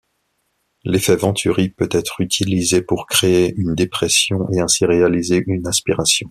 L'effet Venturi peut être utilisé pour créer une dépression et ainsi réaliser une aspiration.